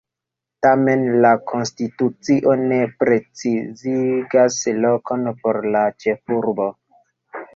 Tamen, la konstitucio ne precizigas lokon por la ĉefurbo.